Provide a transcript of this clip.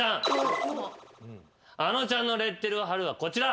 あのちゃんの「レッテルを貼る」はこちら。